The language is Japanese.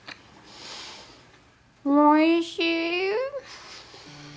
おいしい！